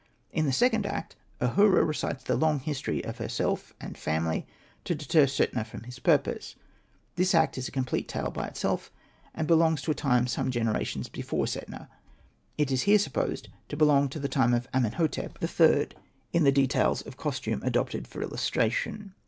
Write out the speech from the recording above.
In the second act Ahura recites the long history of herself and family, to deter Setna from his purpose. This act is a complete tale by itself, and belongs to a time some generations before Setna ; it is here sup posed to belong to the time of Amenhotep Hosted by Google REMARKS 121 III., in the details of costume adopted for illustration.